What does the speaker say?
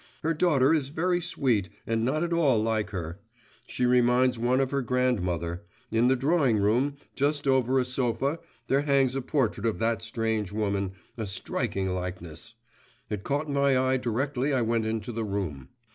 Her daughter is very sweet and not at all like her. She reminds one of her grandmother. In the drawing room, just over a sofa, there hangs a portrait of that strange woman, a striking likeness. It caught my eye directly I went into the room.